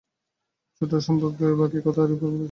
চোট সম্পর্কে বাকি কথা এরপরই বলা যাবে।